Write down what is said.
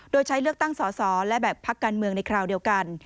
โดยใช้เลือกตั้งสอสอและแบบพักการเมืองในคราวเดียวกัน